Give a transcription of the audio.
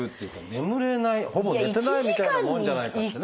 眠れないほぼ寝てないみたいなもんじゃないかってね。